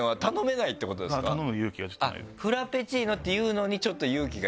「フラペチーノ」って言うのにちょっと勇気がいる？